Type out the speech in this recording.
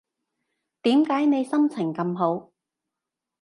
點解你心情咁好